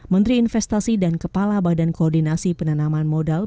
menteri investasi dan kepala badan koordinasi penanaman modal